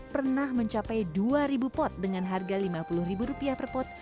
pernah mencapai dua pot dengan harga rp lima puluh per pot